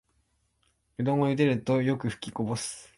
うどんをゆでるとよくふきこぼす